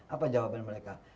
apa jawaban mereka